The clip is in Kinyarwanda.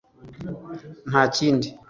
nta kindi